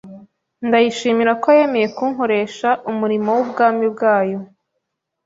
Ndayishimira ko yemeye kunkoresha umurimo w’ubwami bwayo.